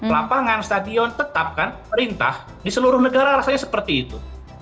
lapangan stadion tetap kan perintah di seluruh negara rasanya seperti itu